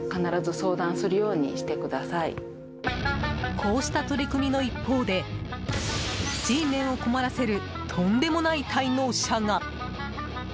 こうした取り組みの一方でＧメンを困らせるとんでもない滞納者が。